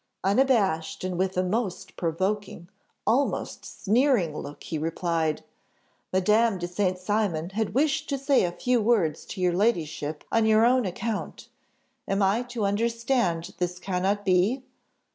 "Unabashed, and with a most provoking, almost sneering look, he replied, 'Madame de St. Cymon had wished to say a few words to your ladyship on your own account; am I to understand this cannot be?